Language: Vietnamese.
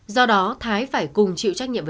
do đó thái phải cùng chịu trách nhiệm